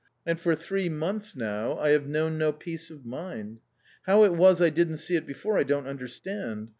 And for three months now I have known no peace of mind. How it was I didn't see it before I don't understand.